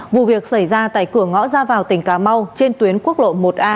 vụ việc xảy ra tại cửa ngõ ra vào tỉnh cà mau trên tuyến quốc lộ một a